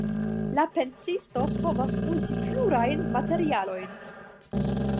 La pentristo povas uzi plurajn materialojn.